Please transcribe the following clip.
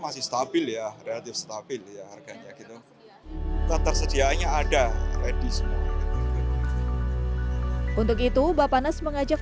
masih stabil ya relatif stabil ya harganya gitu ketersediaannya ada ready semua untuk itu bapak nas mengajak